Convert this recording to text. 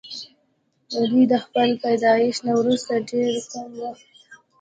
دوي د خپل پيدائش نه وروستو ډېر کم وخت